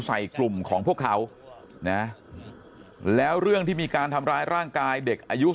ใส่กลุ่มของพวกเขานะแล้วเรื่องที่มีการทำร้ายร่างกายเด็กอายุ